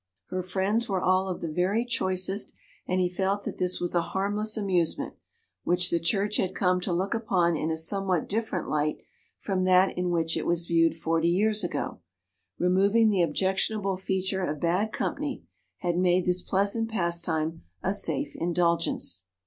Her friends were all of the very choicest, and he felt that this was a harmless amusement, which the church had come to look upon in a somewhat different light from that in which it was viewed forty years ago. Removing the objectionable feature of bad company, had made this pleasant pastime a safe indulgence.